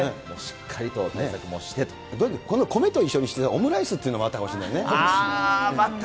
しっかりと対策とにかくこの米と一緒に、オムライスというのもあったかもしれないね。